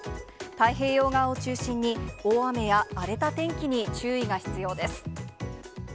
太平洋側を中心に、大雨や荒れた天気に注意が必要です。